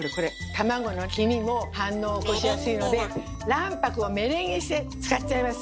卵の黄身も反応を起こしやすいので卵白をメレンゲにして使っちゃいます！